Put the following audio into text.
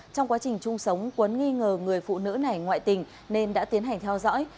trong quá trình chung sống quấn nghi ngờ người phụ nữ này ngoại tình nên đã tiến hành theo dõi